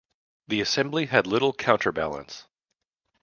The Assembly had little counterbalance.